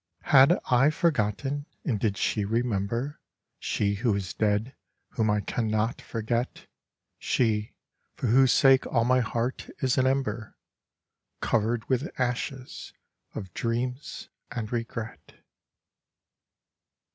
Had I forgotten? and did she remember? She who is dead, whom I can not forget: She, for whose sake all my heart is an ember Covered with ashes of dreams and regret.